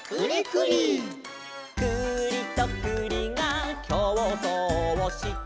「くりとくりがきょうそうをして」